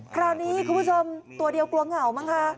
คราวนี้คุณผู้ชมตัวเดียวกลัวเหงามั้งคะ